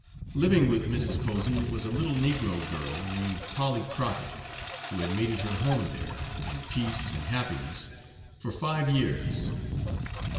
Living with Mrs. Posey was a little negro girl, named Polly Crocket, who had made it her home there, in peace and happiness, for five years.